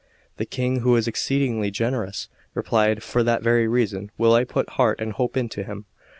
The King, who was exceedingly generous, replied: "For that very reason will I put heart and hope into him."